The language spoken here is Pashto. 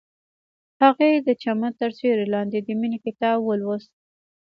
هغې د چمن تر سیوري لاندې د مینې کتاب ولوست.